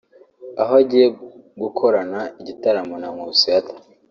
aho agiye gukorana igitaramo na Nkusi Arthur